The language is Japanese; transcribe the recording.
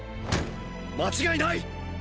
間違いない！！